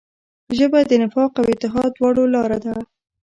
ژبه د نفاق او اتحاد دواړو لاره ده